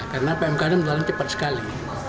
karena pmk ini menelan cepat sekali